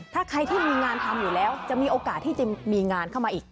ถ้าใครที่มีงานทำอยู่แล้วจะมีโอกาสที่จะมีงานเข้ามาอีก